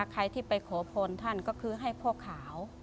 ใครที่ไปขอพรท่านก็คือให้พ่อขาว